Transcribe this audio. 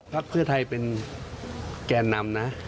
เพื่อไทยเป็นแก่นำนะ